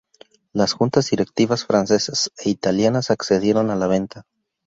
Las juntas directivas francesas e italianas accedieron a la venta.